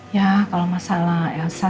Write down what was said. ya kalau masalah elsa